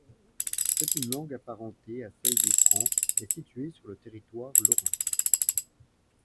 C'est une langue apparentée à celle des francs et située sur le territoire lorrain.